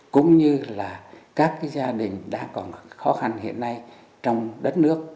cũng như là các gia đình đang còn khó khăn hiện nay trong đất nước